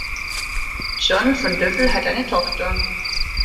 John von Düffel hat eine Tochter.